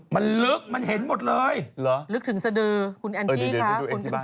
มันลึกมันเห็นหมดเลยลึกถึงสดือคุณแอนตี้คะคุณก็พูดแหละ